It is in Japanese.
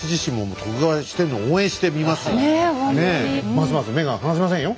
ますます目が離せませんよ！